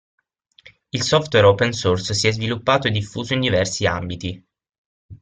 Il software Open Source si è sviluppato e diffuso in diversi ambiti.